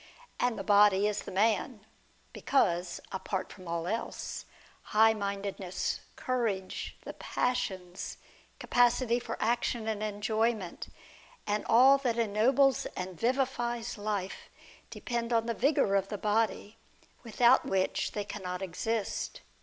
And the body is the man ; because (apart from all else) high mindedness, courage, the passions, capacity for action and enjoyment, and all that ennobles and vivifies life, depend on the vigour of the body, without which they cannot exist.